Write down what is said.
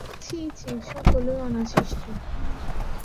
ছি ছি, সকলই অনাসৃষ্টি!